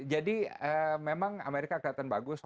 jadi memang amerika kelihatan bagus